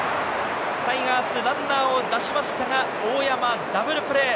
タイガース、ランナーを出しましたが、大山、ダブルプレー。